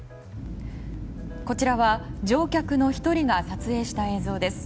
こちらは乗客の１人が撮影した映像です。